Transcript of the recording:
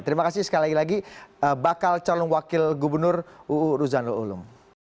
terima kasih sekali lagi bakal calon wakil gubernur uu ruzanul ulum